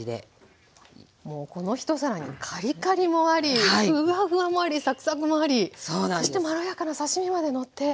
もうこの一皿にカリカリもありフワフワもありサクサクもありそしてまろやかな刺身までのって。